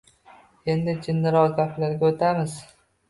Endi jiddiroq gaplarga o’tamiz